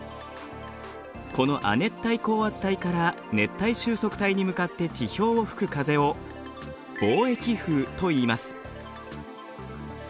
この亜熱帯高圧帯から熱帯収束帯に向かって地表を吹く風を貿易風といいます。